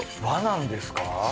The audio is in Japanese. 和なんですか？